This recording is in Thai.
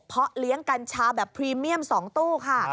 เพราะเลี้ยงกัญชาแบบพรีเมียม๒ตู้ค่ะ